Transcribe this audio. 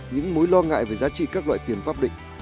những mối lo ngại về giá trị các loại tiền pháp định